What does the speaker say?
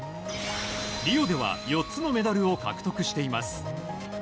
リオでは４つのメダルを獲得しています。